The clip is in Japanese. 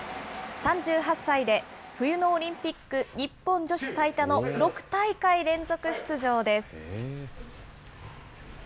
３８歳で冬のオリンピック日本女子最多の６大会連続出場です。